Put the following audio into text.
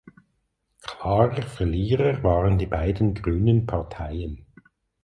Klarer Verlierer waren die beiden grünen Parteien.